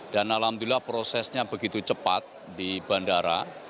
dan alhamdulillah prosesnya begitu cepat di bandara